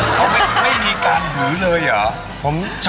เขาไม่มีการถือเลยเหรอ